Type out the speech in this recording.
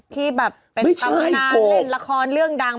ที่แบบเป็นตำนานเล่นละครเรื่องดัง